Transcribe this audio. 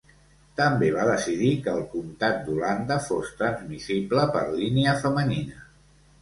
També va decidir que el comtat d'Holanda fos transmissible per línia femenina.